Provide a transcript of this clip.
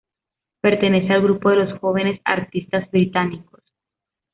Pertenece al grupo de los Jóvenes Artistas Británicos.